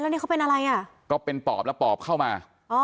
นี่เขาเป็นอะไรอ่ะก็เป็นปอบแล้วปอบเข้ามาอ๋อ